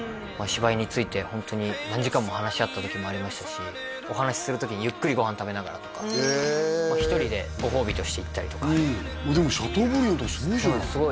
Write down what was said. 芝居についてホントに何時間も話し合った時もありましたしお話しする時にゆっくりご飯食べながらとかへえ１人でご褒美として行ったりとかうんでもシャトーブリアンとかすごいじゃんそうなんです